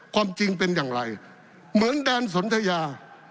ความจริงเป็นอย่างไรเหมือนแดนสนทยา